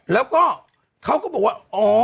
แล้วก็เขาก็บอกว่าอ๋อ